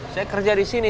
saya kerja di sini